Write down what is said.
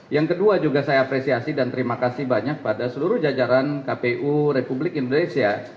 yang kedua juga saya apresiasi dan terima kasih banyak pada seluruh jajaran kpu republik indonesia